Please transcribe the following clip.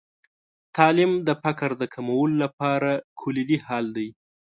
تعلیم د فقر د کمولو لپاره کلیدي حل دی.